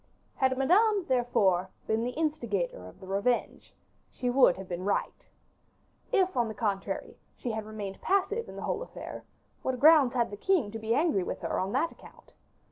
Had Madame, therefore, been the instigator of the revenge, she would have been right. If, on the contrary, she had remained passive in the whole affair, what grounds had the king to be angry with her on that account?